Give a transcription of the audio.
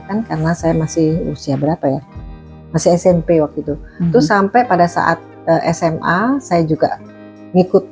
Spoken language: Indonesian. kan karena saya masih usia berapa ya masih smp waktu itu terus sampai pada saat sma saya juga ngikut